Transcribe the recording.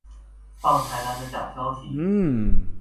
放台南的假消息